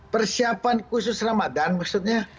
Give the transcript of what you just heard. persiapan khusus ramadan maksudnya